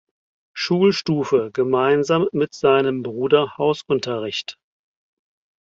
Schulstufe gemeinsam mit seinem Bruder Hausunterricht.